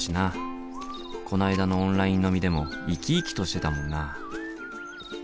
こないだのオンライン飲みでも生き生きとしてたもんな。